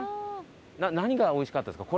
何がおいしかったですか？